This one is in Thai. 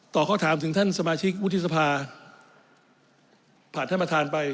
ข้อถามถึงท่านสมาชิกวุฒิสภาผ่านท่านประธานไป